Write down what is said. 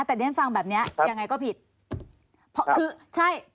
แต่ดิฉันฟังแบบเนี้ยยังไงก็ผิดเพราะคือใช่